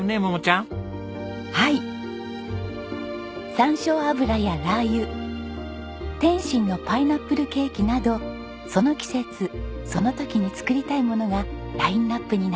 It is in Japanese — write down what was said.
山椒油や辣油点心のパイナップルケーキなどその季節その時に作りたいものがラインアップに並びます。